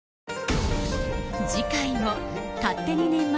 次回も勝手に年末